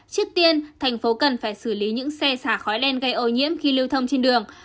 trước tiên thành phố cần phải xử lý những xe xả khói đen gây ô nhiễm khi lưu thông trên đường